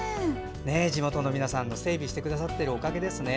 地元の皆さんが整備してくださってるおかげですね。